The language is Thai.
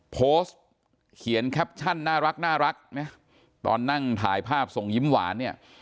โพสต์เขียนแคปชั่นน่ารักนะตอนนั่งถ่ายภาพส่งยิ้มหวานเนี่ย